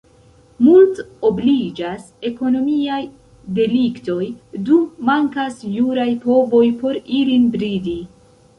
Multobliĝas ekonomiaj deliktoj, dum mankas juraj povoj por ilin bridi.